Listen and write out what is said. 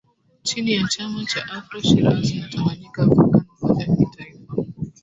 chini ya chama cha Afro Shiraz na Tanganyika afrikan umoja kitaifa